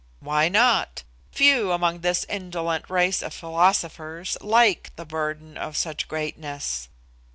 Why not? Few among this indolent race of philosophers like the burden of such greatness.